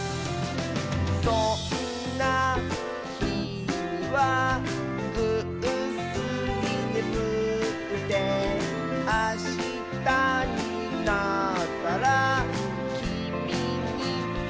「そんなひにはグッスリねむって」「あしたになったらきみにはなそう」